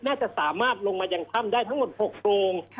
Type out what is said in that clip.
น่าจะสามารถลงมายังถ้ำได้ทั้งหมด๖โพรง